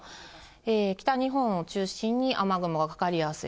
北日本を中心に雨雲がかかりやすい。